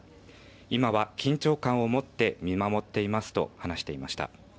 今は緊張感を持って見守っていますと話していました。